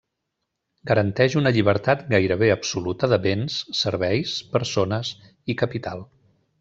Garanteix una llibertat gairebé absoluta de béns, serveis, persones i capital.